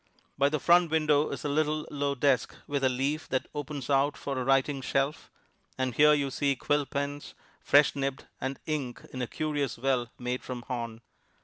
By the front window is a little, low desk, with a leaf that opens out for a writing shelf. And here you see quill pens, fresh nibbed, and ink in a curious well made from horn.